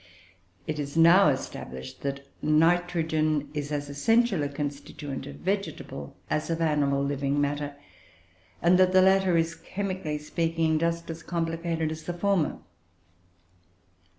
It is now established that nitrogen is as essential a constituent of vegetable as of animal living matter; and that the latter is, chemically speaking, just as complicated as the former.